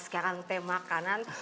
sekarang teh makanan